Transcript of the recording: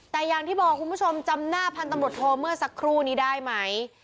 แต่อย่างที่บอกคุณผู้ชมจำหน้าพันธุ์ตำรวจโทเมื่อสักครู่นี้ได้ไหม